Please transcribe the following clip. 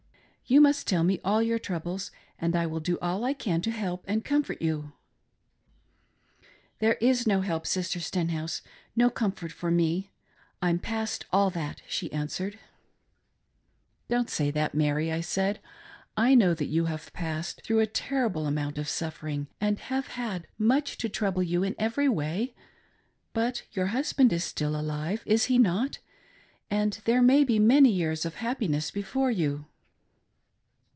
You must tell me all your troubles, and I will do all I "can to help and comfort you." "There is no help, Sister Stenhouse, no comfort for me — I'm past all that," she answered. "Don't say that, Mary," I said, "I know that you have passed through a terrible amount of suffering, and have had much to trouble you in every way ; but your husband is still alive, is he not? — and there may be many years of happiness before you."